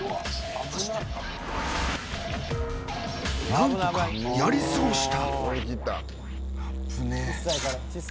何とかやり過ごした。